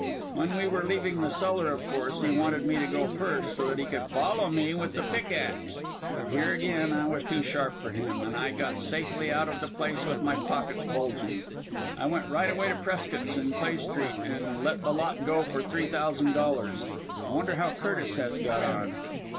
When we were leaving the cellar, of course, he wanted me to go first, so that he could follow with the pickaxe, but here again I was too sharp for him and I got safely out of the place with my pockets bulging. I went right away to Prescott's in Clay Street, and let the lot go for three thousand dollars. I wonder how Curtis has got on!"